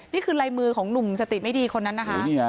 นี่คือลายมือของหนุ่มสติไม่ดีคนนั้นนะคะ